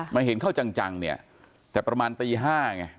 มาเห็นเข้าจังเนี่ยแต่ประมาณตี๕ไง